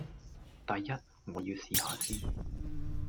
第一，我要試吓先